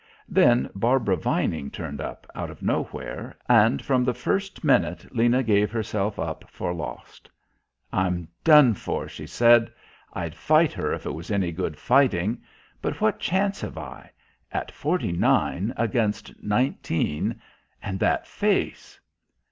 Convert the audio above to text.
Then Barbara Vining turned up out of nowhere, and from the first minute Lena gave herself up for lost. "I'm done for," she said. "I'd fight her if it was any good fighting. But what chance have I? At forty nine against nineteen, and that face?"